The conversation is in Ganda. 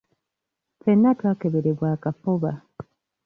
Ffenna twakeberebwa akafuba.